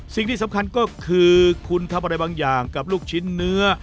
สิ่งที่สำคัญก็คือคุณทำอะไรบางอย่างกับลูกชิ้นเนื้อ